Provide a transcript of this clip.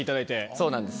そうなんです。